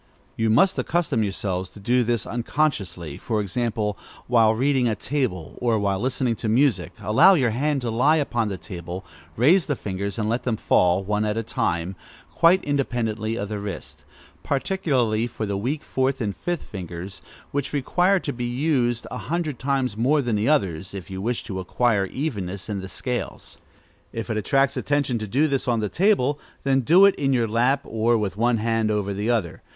You must accustom yourselves to do this unconsciously. For example, while reading, at table, or while listening to music, allow your hand to lie upon the table, raise the fingers, and let them fall, one at a time, quite independently of the wrist; particularly the weak fourth and fifth fingers, which require to be used a hundred times more than the others, if you wish to acquire evenness in the scales. If it attracts attention to do this on the table, then do it in your lap, or with one hand over the other.